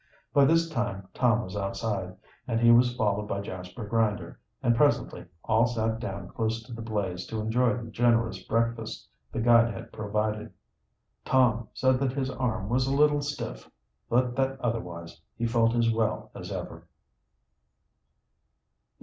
By this time Tom was outside, and he was followed by Jasper Grinder, and presently all sat down close to the blaze to enjoy the generous breakfast the guide had provided. Tom said that his arm was a little stiff, but that otherwise he felt as well as ever.